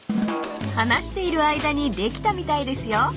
［話している間にできたみたいですよ］